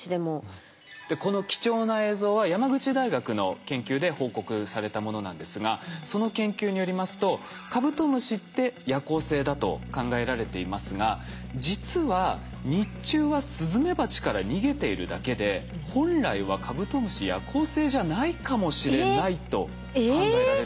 この貴重な映像は山口大学の研究で報告されたものなんですがその研究によりますとカブトムシって夜行性だと考えられていますが実は日中はスズメバチから逃げているだけで本来はカブトムシ夜行性じゃないかもしれないと考えられるそうです。